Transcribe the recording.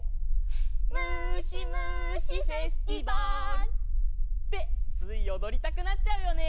「むしむしフェスティバル」ってついおどりたくなっちゃうよね！